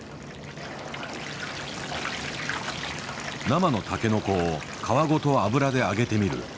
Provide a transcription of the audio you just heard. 生のタケノコを皮ごと油で揚げてみる。